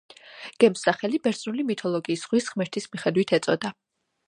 გემს სახელი ბერძნული მითოლოგიის ზღვის ღმერთის მიხედვით ეწოდა.